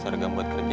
seragam buat kerja